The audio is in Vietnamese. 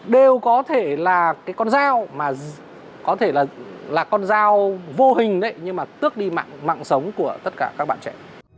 đều có thể là cái con dao mà có thể là con dao vô hình ấy nhưng mà tước đi mạng mạng sống của tất cả các bạn trẻ